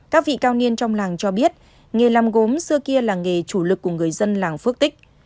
các vị cao niên trong làng cho biết nghề làm gốm xưa kia là nghề chủ lực của người dân làng phước tích